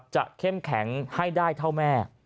เข้มแข็งให้ได้เท่าแม่